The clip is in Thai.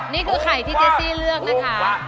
นี่คือไข่ที่เจซี่เลือกนะคะ